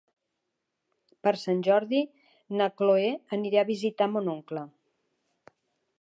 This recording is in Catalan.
Per Sant Jordi na Chloé anirà a visitar mon oncle.